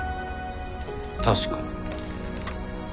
確かに。